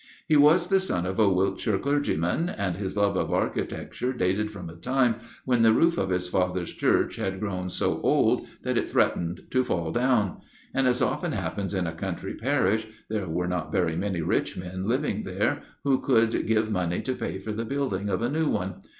He was the son of a Wiltshire clergyman, and his love of architecture dated from a time when the roof of his father's church had grown so old that it threatened to fall down. And, as often happens in a country parish, there were not very many rich men living there who could give money to pay for the building of a new one.